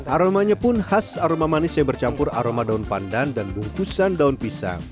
aromanya pun khas aroma manis yang bercampur aroma daun pandan dan bungkusan daun pisang